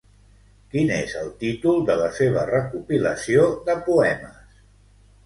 Quin és el títol de la seva recopilació de poemes?